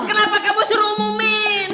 kenapa kamu suruh omomin